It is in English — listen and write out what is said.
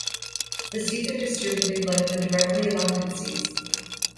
The seats are distributed like the directly elected seats.